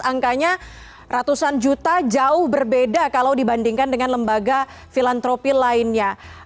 angkanya ratusan juta jauh berbeda kalau dibandingkan dengan lembaga filantropi lainnya